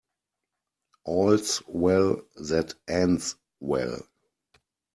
All's well that ends well.